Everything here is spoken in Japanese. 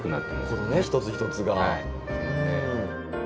このね一つ一つが。